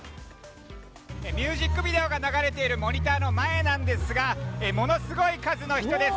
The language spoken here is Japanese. ミュージックビデオが流れているモニターの前なんですがものすごい数の人です。